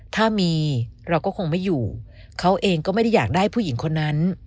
ถ้ามีเราก็คงไม่อยู่เขาเองก็ไม่ได้อยากได้ผู้หญิงคนนั้น